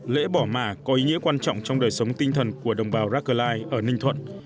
lễ bỏ mả có ý nghĩa quan trọng trong đời sống tinh thần của đồng bào racklai ở ninh thuận